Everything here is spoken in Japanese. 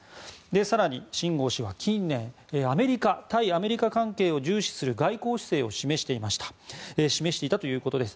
更に、シン・ゴウ氏は近年対アメリカ関係を重視する外交姿勢を示していたということです。